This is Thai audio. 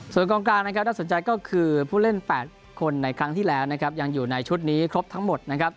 ส่วนกองกลางนะครับน่าสนใจก็คือผู้เล่น๘คนในครั้งที่แล้วนะครับยังอยู่ในชุดนี้ครบทั้งหมดนะครับ